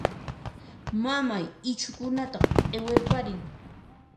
Mamay ichhukunata q'iwirparin.